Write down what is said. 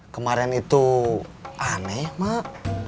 kemarin itu aneh mak